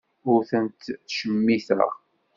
Ur tent-ttcemmiteɣ.